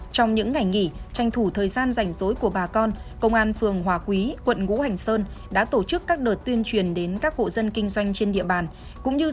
trong những ngày nghỉ tranh thủ thời gian rảnh rối của bà con công an phường hòa quý quận ngũ hành sơn đã tổ chức các đợt tuyên truyền đến các hộ dân kinh doanh trên địa bàn